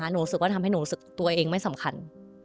รู้สึกว่าทำให้หนูรู้สึกตัวเองไม่สำคัญ